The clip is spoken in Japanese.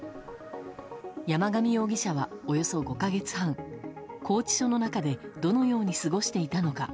山上容疑者はおよそ５か月半、拘置所の中でどのように過ごしていたのか。